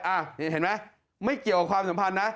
อ่ะนี่เห็นไหมไม่เกี่ยวกับความสัมพันธ์นะ